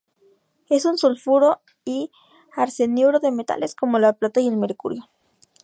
Es un sulfuro y arseniuro de metales como la plata y el mercurio.